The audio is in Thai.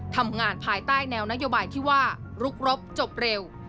ภายใต้แนวนโยบายที่ว่ารุกรบจบเร็ว